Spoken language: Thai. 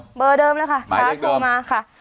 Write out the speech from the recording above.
หมายเรียกเดิมเลยค่ะชาร์จโทรมาค่ะ